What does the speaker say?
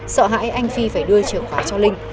sợ hãi anh phi phải đưa chìa khóa cho linh